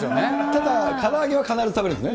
ただ、から揚げは必ず食べるんですね。